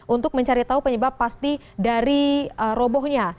untuk mencari tahu penyebab pasti dari robohnya